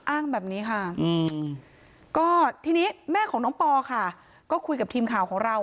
อ้างแบบนี้ค่ะก็ทีนี้แม่ของน้องปอค่ะก็คุยกับทีมข่าวของเรา